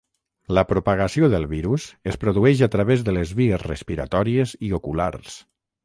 La propagació del virus es produeix a través de les vies respiratòries i oculars.